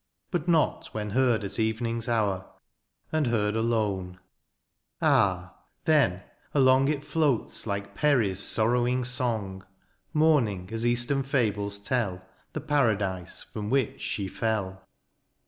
But not when heard at evening's hour And heard alone ;— ah ! then along It floats like Peri's sorrowing song. Mourning, as eastern fables tell. The paradise from which she fell.